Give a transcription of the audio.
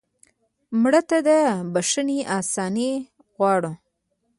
مړه ته د بښنې آساني غواړو